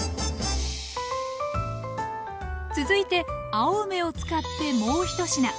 続いて青梅を使ってもう１品。